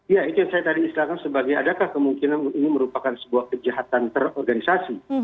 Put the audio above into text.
ya itu yang saya tadi istirahatkan sebagai adakah kemungkinan ini merupakan sebuah kejahatan terorganisasi